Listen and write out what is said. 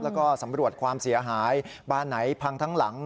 แล้วก็สำรวจความเสียหายบ้านไหนพังทั้งหลัง